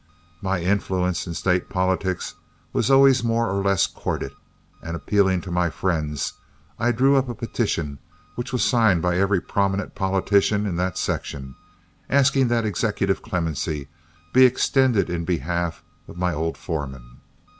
My influence in state politics was always more or less courted, and appealing to my friends, I drew up a petition, which was signed by every prominent politician in that section, asking that executive clemency be extended in behalf of my old foreman.